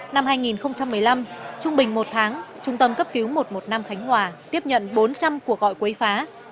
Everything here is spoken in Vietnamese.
năm hai nghìn một mươi năm trung bình một tháng trung tâm cấp cứu một trăm một mươi năm khánh hòa tiếp nhận bốn trăm linh cuộc gọi quấy phá